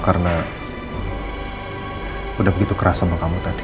karena udah begitu keras sama kamu tadi